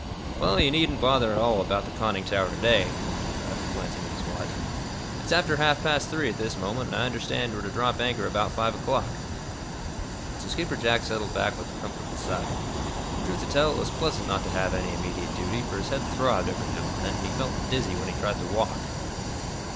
'" "Well, you needn't bother at all about the conning tower to day," wound up Eph, glancing at his watch. "It's after half past three at this moment and I understand we're to drop anchor about five o'clock." So Skipper Jack settled back with a comfortable sigh. Truth to tell, it was pleasant not to have any immediate duty, for his head throbbed, every now and then, and he felt dizzy when he tried to walk.